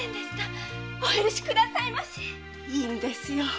いいんですよ。